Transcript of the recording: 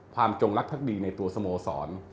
ความจงรักทักดีในตัวสโมสร